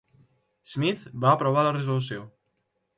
Smith va aprovar la resolució.